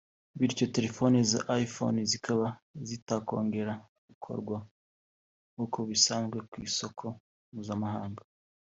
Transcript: bityo telefoni za iPhone zikaba zitakongera kugurwa nkuko bisanzwe ku isoko mpuzamahanga